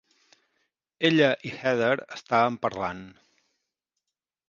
Ella i Heather estaven parlant.